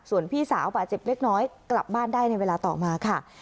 ส่วนพี่สาวบาดเจ็บเล็กน้อยกลับบ้านได้ในเวลาต่อมาค่ะ